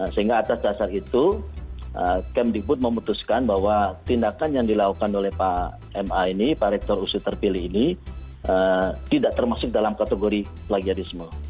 sehingga atas dasar itu kemdikbud memutuskan bahwa tindakan yang dilakukan oleh pak ma ini pak rektor usu terpilih ini tidak termasuk dalam kategori plagiarisme